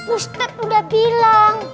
ustadz udah bilang